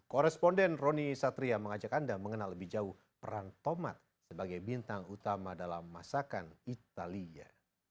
koresponden roni satria mengajak anda mengenal lebih jauh peran tomat sebagai bintang utama dalam masakan italia